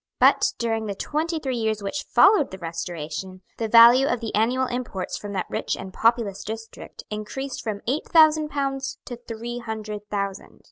But, during the twenty three years which followed the Restoration, the value of the annual imports from that rich and populous district increased from eight thousand pounds to three hundred thousand.